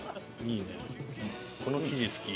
この生地好き。